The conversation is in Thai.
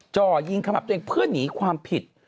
จ่อยิงขมับตัวเองเพื่อหนีความผิด